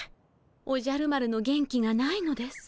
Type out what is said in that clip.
おじゃる丸の元気がないのです。